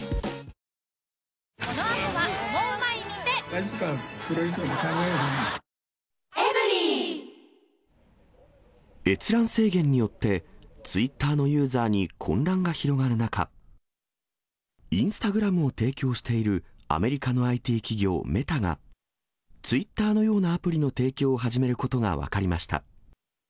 ライス「パーフェクトサントリービール糖質ゼロ」閲覧制限によって、ツイッターのユーザーに混乱が広がる中、インスタグラムを提供しているアメリカのＩＴ企業、メタが、ツイッターのようなアプリの提供を始めることが分かりました。